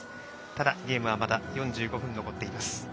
ただ、ゲームはまだ４５分残っています。